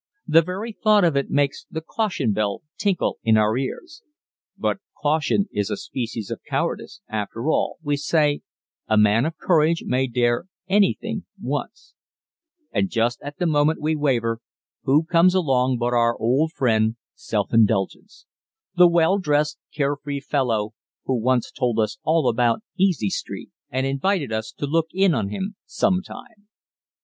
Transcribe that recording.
The very thought of it makes the "caution bell" tinkle in our ears but caution is a species of cowardice, after all, we say a man of courage may dare anything once. And just at the moment we waver who comes along but our old friend Self indulgence! the well dressed, carefree fellow who once told us all about "Easy Street" and invited us to look in on him sometime.